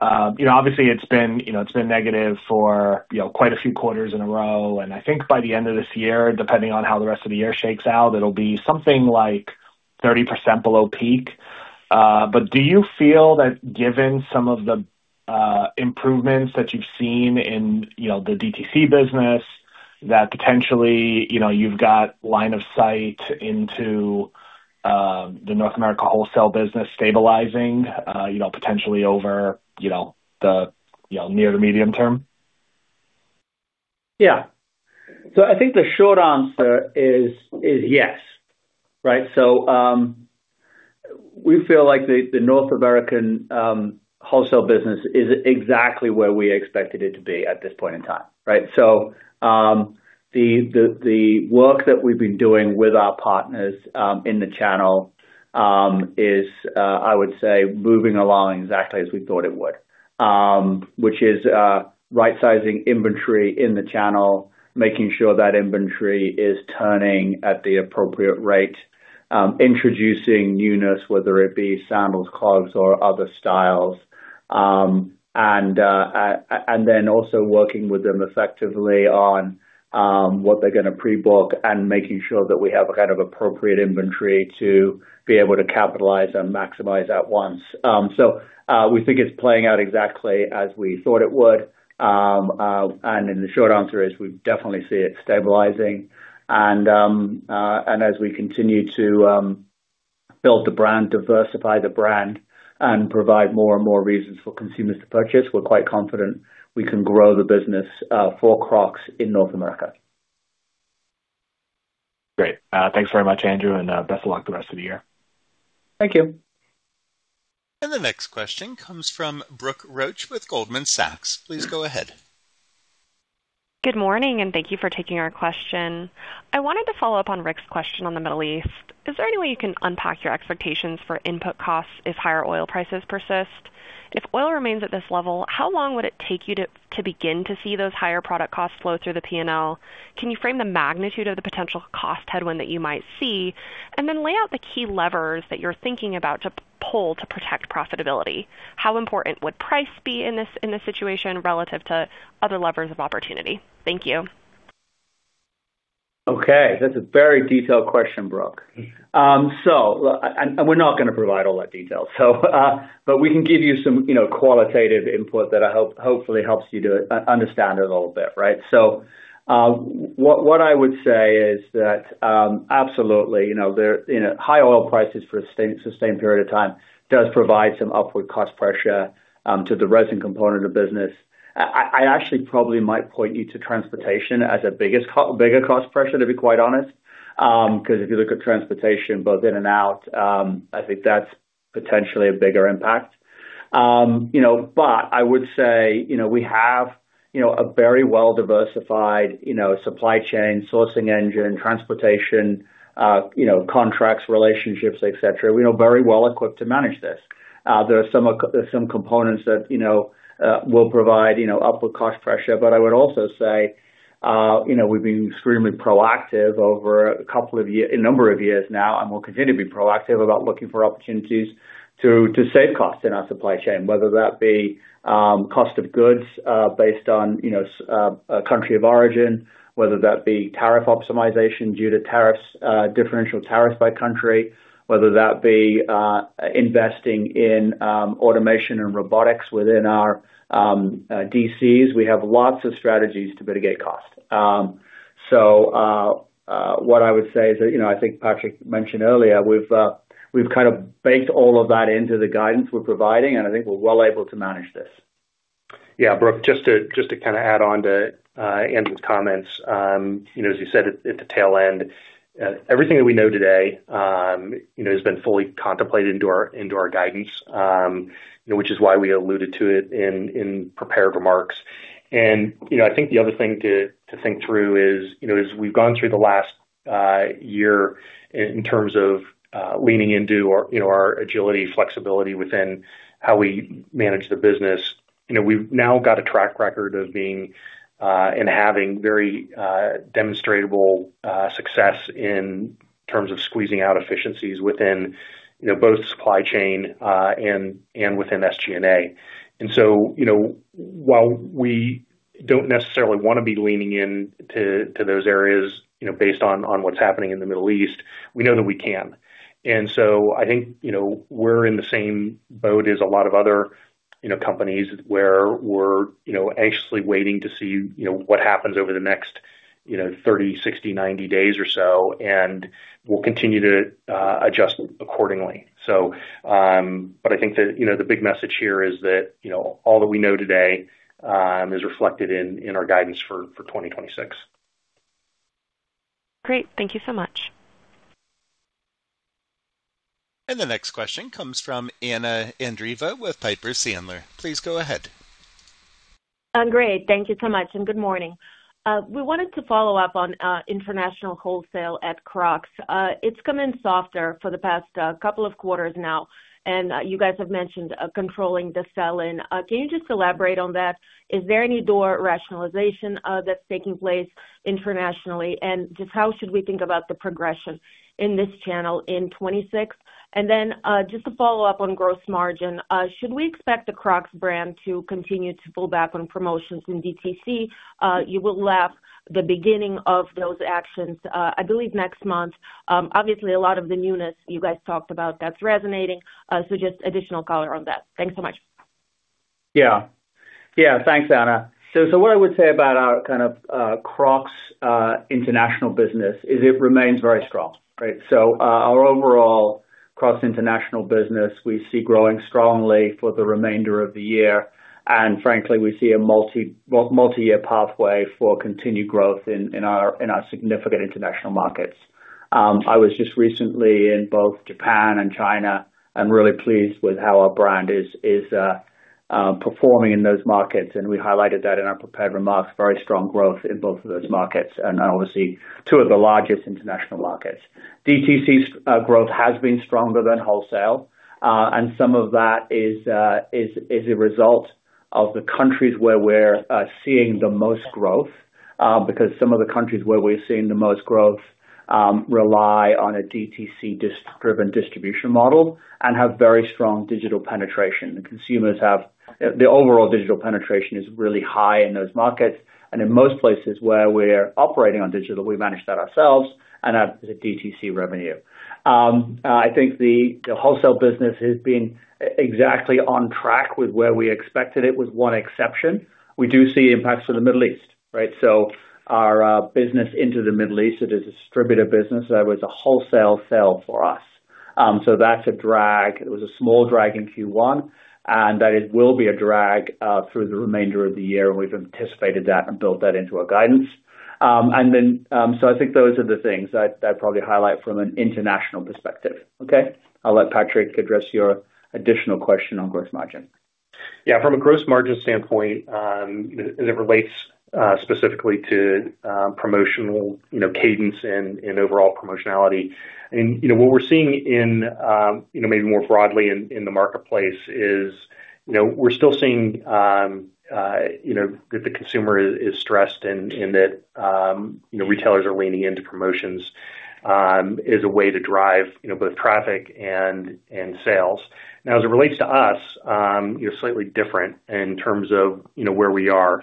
I: Obviously, it's been negative for quite a few quarters in a row, and I think by the end of this year, depending on how the rest of the year shakes out, it'll be something like 30% below peak. Do you feel that given some of the improvements that you've seen in the DTC business, that potentially you've got line of sight into the North America wholesale business stabilizing, potentially over the near to medium term?
C: Yeah, I think the short answer is yes, right? We feel like the North American wholesale business is exactly where we expected it to be at this point in time, right? The work that we've been doing with our partners in the channel is, I would say, moving along exactly as we thought it would, which is right-sizing inventory in the channel, making sure that inventory is turning at the appropriate rate, introducing newness, whether it be sandals, clogs, or other styles. Also working with them effectively on what they're going to pre-book and making sure that we have an appropriate inventory to be able to capitalize and maximize at once. We think it's playing out exactly as we thought it would. The short answer is we definitely see it stabilizing, and as we continue to build and diversify the brand, and provide more and more reasons for consumers to purchase, we're quite confident we can grow the business for Crocs in North America.
I: Great. Thanks very much, Andrew, and best of luck the rest of the year.
C: Thank you.
A: The next question comes from Brooke Roach with Goldman Sachs. Please go ahead.
J: Good morning, and thank you for taking our question. I wanted to follow up on Rick's question about the Middle East. Is there any way you can unpack your expectations for input costs if higher oil prices persist? If oil remains at this level, how long would it take you to begin to see those higher product costs flow through the P&L? Can you frame the magnitude of the potential cost headwind that you might see? Then, lay out the key levers that you're thinking about pulling to protect profitability. How important would price be in this situation relative to other levers of opportunity? Thank you.
C: Okay. That's a very detailed question, Brooke. We're not going to provide all that detail. We can give you some, you know, qualitative input that hopefully helps you to understand it a little bit, right? What I would say is that, absolutely, you know, high oil prices for a sustained period of time do provide some upward cost pressure to the resin component of the business. I actually probably might point you to transportation as a bigger cost pressure, to be quite honest. 'Cause if you look at transportation both in and out, I think that's potentially a bigger impact. I would say we have a very well-diversified supply chain, sourcing engine, transportation, contracts, relationships, etc. We are very well-equipped to manage this. There are some components that will provide upward cost pressure. I would also say we've been extremely proactive over a number of years now, and we'll continue to be proactive about looking for opportunities to save costs in our supply chain, whether that be cost of goods based on country of origin, whether that be tariff optimization due to tariffs, differential tariffs by country, or whether that be investing in automation and robotics within our DCs. We have lots of strategies to mitigate costs. What I would say is that, you know, I think Patraic mentioned earlier, we've kind of baked all of that into the guidance we're providing, and I think we're well able to manage this.
D: Yeah. Brooke, just to kind of add on to Andrew's comments, you know, as you said at the tail end, everything that we know today, you know, has been fully contemplated in our guidance, you know, which is why we alluded to it in prepared remarks. You know, I think the other thing to think through is, you know, as we've gone through the last year in terms of leaning into our, you know, our agility, flexibility within how we manage the business, you know, we've now got a track record of having very demonstrable success in terms of squeezing out efficiencies within, you know, both supply chain and within SG&A. You know, while we don't necessarily want to be leaning into those areas, you know, based on what's happening in the Middle East, we know that we can. I think, you know, we're in the same boat as a lot of other, you know, companies where we're, you know, anxiously waiting to see, you know, what happens over the next, you know, 30, 60, 90 days or so, and we'll continue to adjust accordingly. I think that, you know, the big message here is that, you know, all that we know today is reflected in our guidance for 2026.
J: Great. Thank you so much.
A: The next question comes from Anna Andreeva with Piper Sandler. Please go ahead.
K: Great. Thank you so much. Good morning. We wanted to follow up on international wholesale at Crocs. It's come in softer for the past couple of quarters now. You guys have mentioned controlling the sell-in. Can you just elaborate on that? Is there any door rationalization that's taking place internationally? Just how should we think about the progression in this channel in 2026? Just to follow up on gross margin, should we expect the Crocs brand to continue to pull back on promotions in DTC? You will have the beginning of those actions, I believe, next month. Obviously, a lot of the newness you guys talked about, that's resonating. Just additional color on that. Thanks so much.
C: Thanks, Anna. What I would say about our Crocs international business is it remains very strong. Our overall Crocs international business, we see growing strongly for the remainder of the year, and frankly, we see a multi-year pathway for continued growth in our significant international markets. I was just recently in both Japan and China. I'm really pleased with how our brand is performing in those markets, and we highlighted that in our prepared remarks: very strong growth in both of those markets and obviously two of the largest international markets. DTC's growth has been stronger than wholesale, and some of that is a result of the countries where we're seeing the most growth. Because some of the countries where we're seeing the most growth rely on a DTC-driven distribution model and have very strong digital penetration, the overall digital penetration is really high in those markets. In most places where we're operating digitally, we manage that ourselves and have the DTC revenue. I think the wholesale business has been exactly on track with where we expected it, with one exception. We do see impacts from the Middle East, right? Our business in the Middle East is a distributor business. That was a wholesale sell for us. That's a drag. It was a small drag in Q1, and it will be a drag through the remainder of the year. We've anticipated that and built that into our guidance. I think those are the things I'd probably highlight from an international perspective. Okay. I'll let Patraic address your additional question on gross margin.
D: Yeah. From a gross margin standpoint, it relates specifically to promotional cadence and overall promotionality. What we're seeing, maybe more broadly, in the marketplace is that the consumer is stressed and retailers are leaning into promotions as a way to drive both traffic and sales. As it relates to us, it's slightly different in terms of where we are.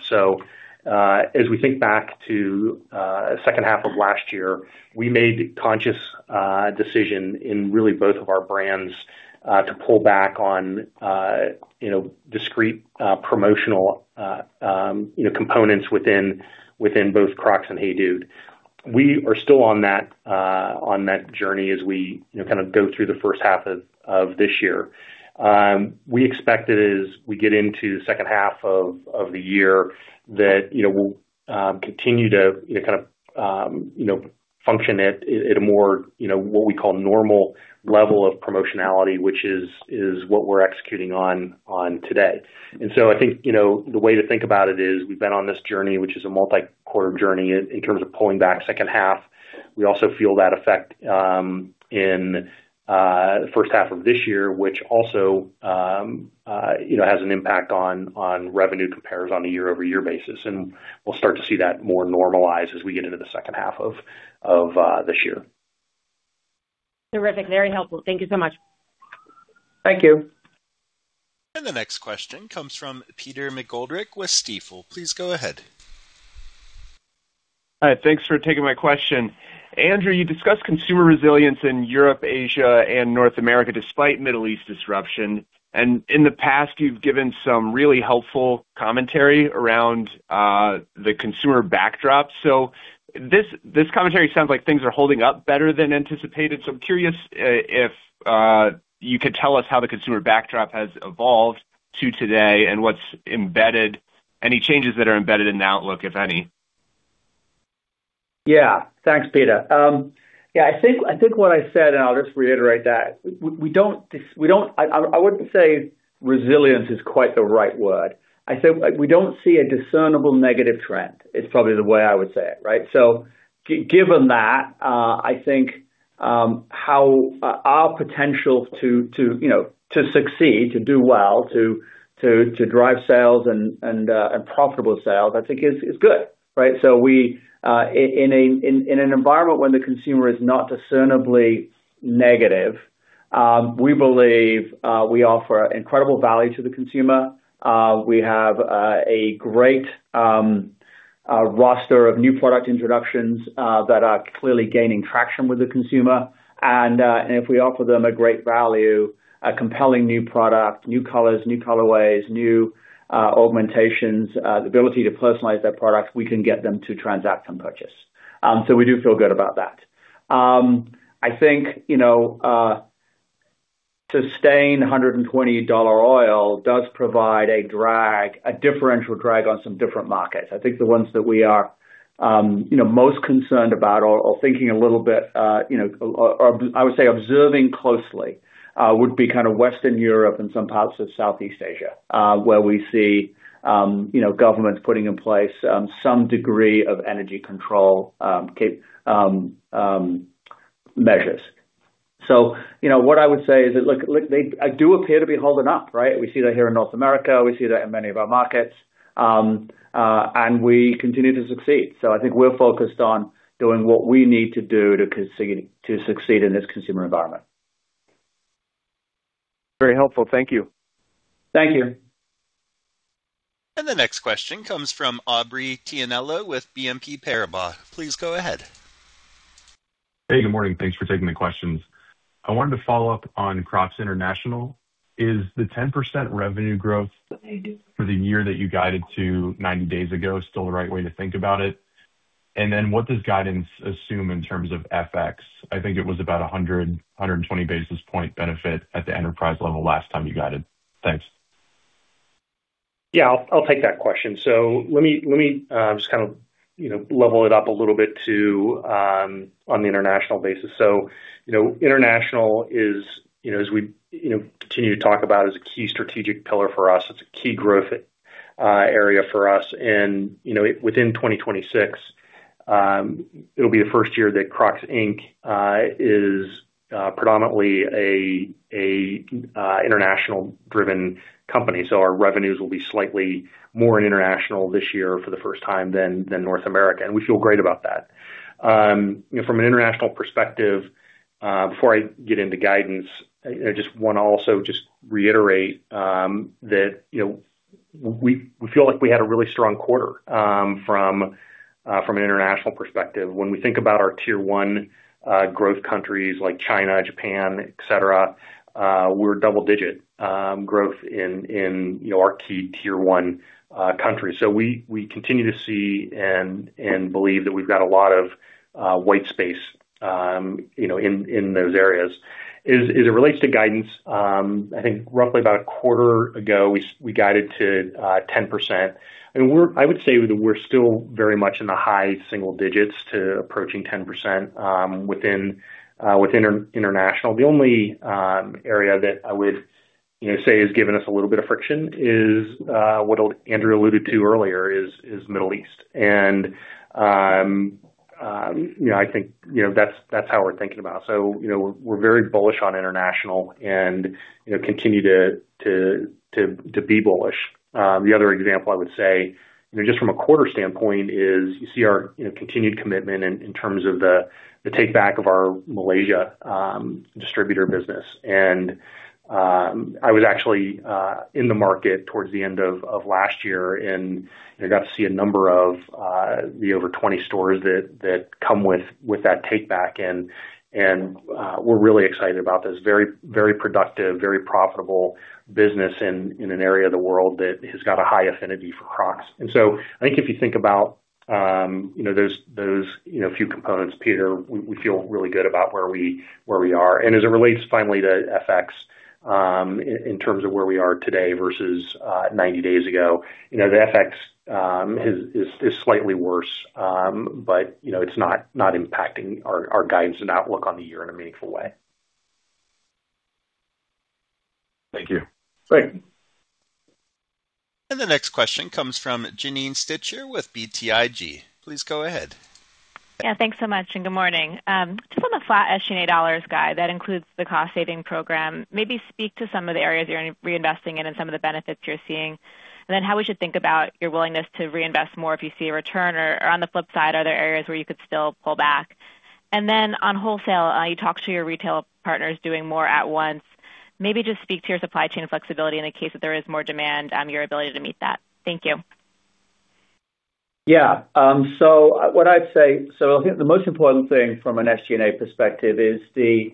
D: As we think back to the second half of last year, we made a conscious decision in both of our brands to pull back on discrete promotional components within both Crocs and Hey Dude. We are still on that journey as we, you know, kind of go through the first half of this year. We expect that as we get into the second half of the year, we'll continue to, you know, kind of, you know, function at a more, you know, what we call normal level of promotionality, which is what we're executing on today. I think, you know, the way to think about it is we've been on this journey, which is a multi-quarter journey, in terms of pulling back in the second half. We also feel that effect in the first half of this year, which also, you know, has an impact on revenue compares on a year-over-year basis. We'll start to see that more normalized as we get into the second half of this year.
K: Terrific. Very helpful. Thank you so much.
C: Thank you.
A: The next question comes from Peter McGoldrick with Stifel. Please go ahead.
L: Hi. Thanks for taking my question. Andrew, you discussed consumer resilience in Europe, Asia, and North America despite Middle East disruption. In the past, you've given some really helpful commentary around the consumer backdrop. This commentary sounds like things are holding up better than anticipated. I'm curious if you could tell us how the consumer backdrop has evolved to today and any changes that are embedded in the outlook, if any?
C: Yeah. Thanks, Peter. Yeah, I think, I think what I said, and I'll just reiterate that, I wouldn't say resilience is quite the right word. I said, like, we don't see a discernible negative trend, is probably the way I would say it, right? Given that, I think, our potential to, you know, to succeed, to do well, to drive sales and profitable sales, I think is good, right? We, in an environment when the consumer is not discernibly negative, we believe we offer incredible value to the consumer. We have a great roster of new product introductions that are clearly gaining traction with the consumer. If we offer them great value, a compelling new product, new colors, new colorways, new augmentations, and the ability to personalize that product, we can get them to transact and purchase. We do feel good about that, I think. Sustained $120 oil does provide a drag, a differential drag on some different markets. I think the ones that we are, you know, most concerned about or thinking a little bit, you know, or I would say observing closely, would be kind of Western Europe and some parts of Southeast Asia, where we see, you know, governments putting in place some degree of energy control measures. You know, what I would say is that, look, they do appear to be holding up, right? We see that here in North America, we see that in many of our markets. We continue to succeed. I think we're focused on doing what we need to do to succeed in this consumer environment.
L: Very helpful. Thank you.
C: Thank you.
A: The next question comes from Aubrey Tianello with BNP Paribas. Please go ahead.
M: Hey, good morning. Thanks for taking the questions. I wanted to follow up on Crocs International. Is the 10% revenue growth for the year that you guided to 90 days ago still the right way to think about it? Then what does guidance assume in terms of FX? I think it was about a 120 basis points benefit at the enterprise level last time you guided. Thanks.
D: Yeah, I'll take that question. Let me just kind of level it up a little bit on an international basis. International, as we continue to talk about, is a key strategic pillar for us. It's a key growth area for us. In 2026, it'll be the first year that Crocs, Inc., is predominantly an international-driven company. Our revenues will be slightly more international this year for the first time than North America, and we feel great about that. From an international perspective, before I get into guidance, I just want to also reiterate that we feel like we had a really strong quarter from an international perspective. When we think about our Tier 1 growth countries like China, Japan, et cetera, we're seeing double-digit growth in our key Tier 1 countries. We continue to see and believe that we've got a lot of white space in those areas. As it relates to guidance, I think roughly about a quarter ago, we guided to 10%. I would say that we're still very much in the high single digits, approaching 10% within international. The only area that I would say has given us a little bit of friction is what Andrew alluded to earlier: the Middle East. I think that's how we're thinking about it. You know, we're very bullish on international and continue to be bullish. The other example I would give, just from a quarter standpoint, is our continued commitment to taking back our Malaysia distributor business. I was actually in the market towards the end of last year, and I got to see a number of the over 20 stores that come with that take-back, and we're really excited about this. It's a very productive, very profitable business in an area of the world that has a high affinity for Crocs. I think if you consider those few components, Peter, we feel really good about where we are. As it relates to FX, in terms of where we are today versus 90 days ago, FX is slightly worse, but it's not impacting our guidance and outlook on the year in a meaningful way.
M: Thank you.
D: Great.
A: The next question comes from Janine Stichter with BTIG. Please go ahead.
N: Thanks so much, and good morning. Just on the flat SG&A dollars guide that includes the cost-saving program, maybe speak to some of the areas you're reinvesting in and some of the benefits you're seeing. How should we think about your willingness to reinvest more if you see a return, or on the flip side, are there areas where you could still pull back? On wholesale, you talked to your retail partners doing more at once. Maybe just speak to your supply chain flexibility in the case that there is more demand, and your ability to meet that. Thank you.
C: Yeah. I think the most important thing from an SG&A perspective is the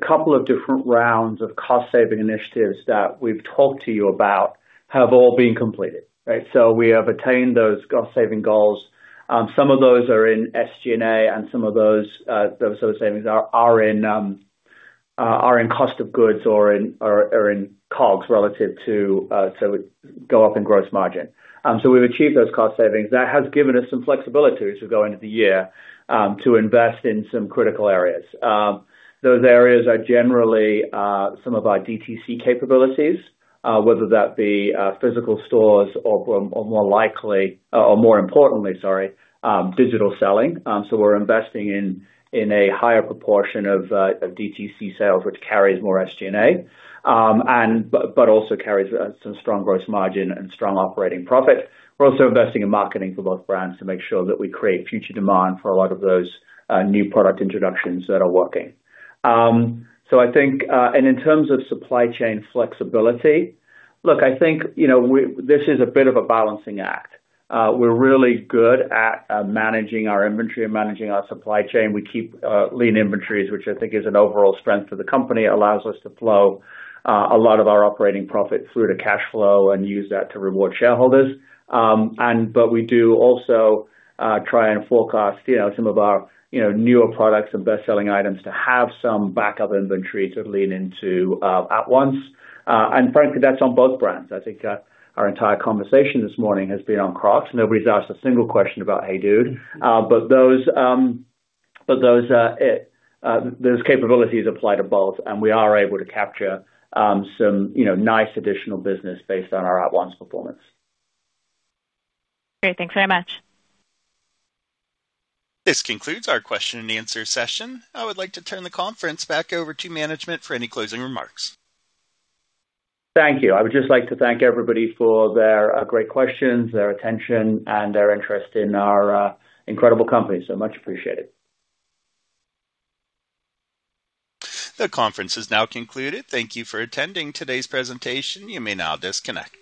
C: couple of different rounds of cost-saving initiatives that we've talked to you about have all been completed, right? We have attained those cost-saving goals. Some of those are in SG&A, and some of those savings are in cost of goods or in COGS relative to going up in gross margin. We've achieved those cost savings. That has given us some flexibility as we go into the year to invest in some critical areas. Those areas are generally some of our DTC capabilities, whether that be physical stores or more importantly, digital selling. We're investing in a higher proportion of DTC sales, which carries more SG&A, but also carries strong gross margin and strong operating profit. We're also investing in marketing for both brands to ensure that we create future demand for a lot of those new product introductions that are working. I think, in terms of supply chain flexibility, look, I think, you know, this is a bit of a balancing act. We're really good at managing our inventory and managing our supply chain. We keep lean inventories, which I think is an overall strength of the company. It allows us to flow a lot of our operating profit through to cash flow and use that to reward shareholders. We also try to forecast some of our newer products and best-selling items to have some backup inventory to lean into at once. That's on both brands. I think our entire conversation this morning has been on Crocs. Nobody has asked a single question about Hey Dude. Those capabilities apply to both, and we are able to capture nice additional business based on our at-once performance.
N: Great. Thanks very much.
A: This concludes our question and answer session. I would like to turn the conference back over to management for any closing remarks.
C: Thank you. I would just like to thank everybody for their great questions, their attention, and their interest in our incredible company. Much appreciated.
A: The conference has now concluded. Thank you for attending today's presentation. You may now disconnect.